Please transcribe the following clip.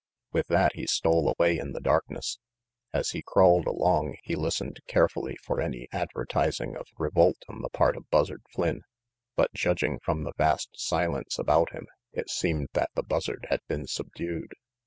With that he stole away in the darkness. As he crawled along he listened carefully for any adver tising of revolt on the part of Buzzard Flynn; but judging from the vast silence about him, it seemed that the Buzzard had been subdued.